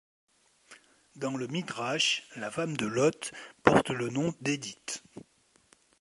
Dans le Midrash, la femme de Loth porte le nom d'Édith.